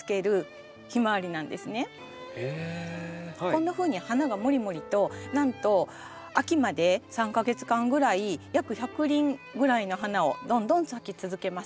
こんなふうに花がもりもりとなんと秋まで３か月間ぐらい約１００輪ぐらいの花をどんどん咲き続けます。